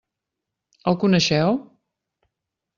El coneixeu?